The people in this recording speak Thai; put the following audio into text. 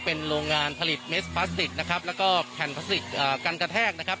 เป็นโรงงานผลิตเม็ดพลาสติกนะครับแล้วก็แผ่นพลาสติกกันกระแทกนะครับ